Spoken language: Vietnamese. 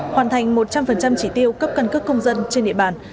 hoàn thành một trăm linh chỉ tiêu cấp căn cước công dân trên địa bàn